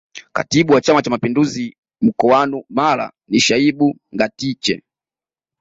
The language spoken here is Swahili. Katibu wa Chama cha Mapinduzi mkoanu Mara ni Shaibu Ngatiche